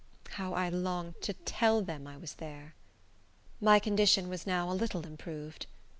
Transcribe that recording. How I longed to tell them I was there! My condition was now a little improved.